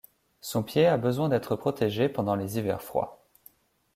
Son pied a besoin d'être protégé pendant les hivers froids.